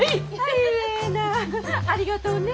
ありがとうね。